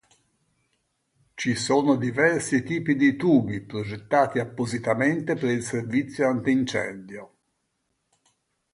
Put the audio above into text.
Ci sono diversi tipi di tubi progettati appositamente per il servizio antincendio.